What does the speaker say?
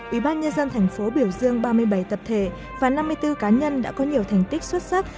ủy ban nhân dân thành phố biểu dương ba mươi bảy tập thể và năm mươi bốn cá nhân đã có nhiều thành tích xuất sắc